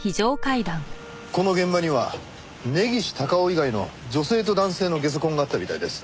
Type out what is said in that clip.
この現場には根岸隆雄以外の女性と男性のゲソ痕があったみたいです。